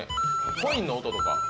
コインの音とか。